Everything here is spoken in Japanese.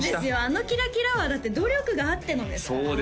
あのキラキラはだって努力があってのですからね